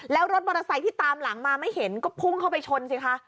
แล้วรถมอเตอร์ไซค์ที่ตามหลังมาไม่เห็นก็พุ่งเข้าไปชนสิคะ